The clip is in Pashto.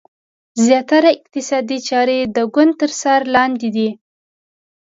زیاتره اقتصادي چارې د ګوند تر څار لاندې دي.